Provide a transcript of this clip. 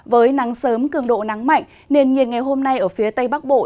với nắng sớm cường độ nắng mạnh nền nhiệt ngày hôm nay ở phía tây bắc bộ